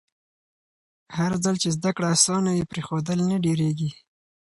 هرځل چې زده کړه اسانه وي، پرېښودل نه ډېرېږي.